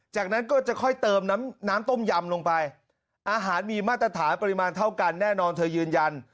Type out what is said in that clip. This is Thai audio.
จากนั้นก็จะค่อยเติมน้ำต้มยำลงไปอาหารมีมาตรฐานปริมาณเท่ากันแน่นอนเธอยืนยัน